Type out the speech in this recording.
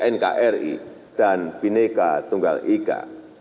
nkri dan bineka tunggal ika